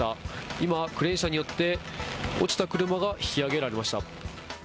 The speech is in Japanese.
今、クレーン車によって落ちた車が引き上げられました。